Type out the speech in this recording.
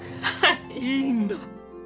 いいんだ！